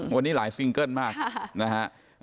วันนี้หลายซิงเกิ้ลมากนะครับ